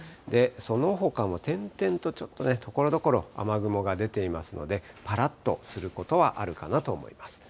そのほかも点々とちょっとね、ところどころ雨雲が出ていますので、ぱらっとすることはあるかなと思います。